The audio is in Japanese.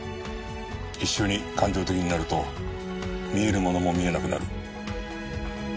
一緒に感情的になると見えるものも見えなくなる。